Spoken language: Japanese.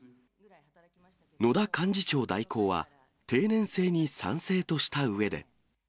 野田幹事長代行は、定年制に賛成としたうえで。